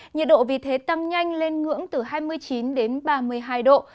nhiệt độ vì thế tăng nhanh lên ngưỡng từ hai mươi chín đến ba mươi hai độ